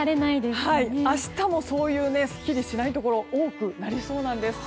明日も、そういうすっきりしないところが多くなりそうなんです。